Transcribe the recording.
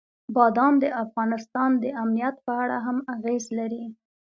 بادام د افغانستان د امنیت په اړه هم اغېز لري.